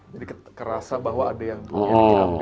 jadi kerasa bahwa ada yang ngambil